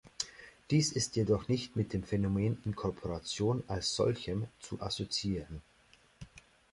Dies ist jedoch nicht mit dem Phänomen Inkorporation "als solchem" zu assoziieren.